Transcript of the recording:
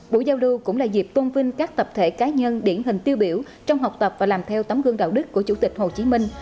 buổi giao lưu cũng là dịp tôn vinh các tập thể cá nhân điển hình tiêu biểu trong học tập và làm theo tấm gương đạo đức của chủ tịch hồ chí minh